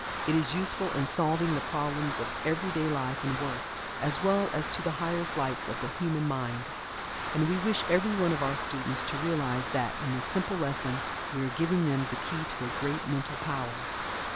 It is useful in solving the problems of every day life and work, as well as to the higher flights of the human mind. And we wish every one of our students to realize that in this simple lesson we are giving them the key to a great mental power.